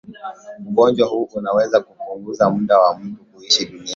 ugonjwa huu unaweza kupunguza muda wa mtu kuishi duniani